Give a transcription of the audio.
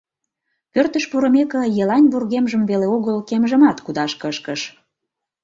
Пӧртыш пурымеке, Елань вургемжым веле огыл, кемжымат кудаш кышкыш.